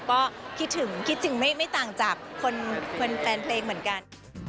ก็คิดถึงคิดถึงไม่ต่างจากแฟนเพลงเหมือนกัน